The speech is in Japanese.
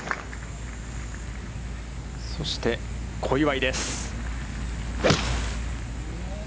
そして小祝です。